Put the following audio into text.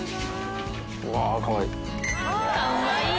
うわー、かわいい。